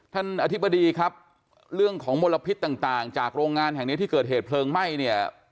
อธิบดีครับเรื่องของมลพิษต่างจากโรงงานแห่งนี้ที่เกิดเหตุเพลิงไหม้เนี่ย